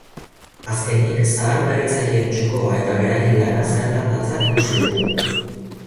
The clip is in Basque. Azkenik, zaharberritzaileen txokoa eta beraien lana zertan datzan ikusi dugu.